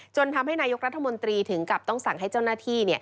ทำให้นายกรัฐมนตรีถึงกับต้องสั่งให้เจ้าหน้าที่